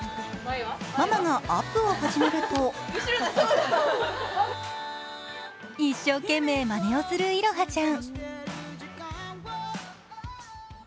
ママがアップを始めると一生懸命まねをする彩葉ちゃん。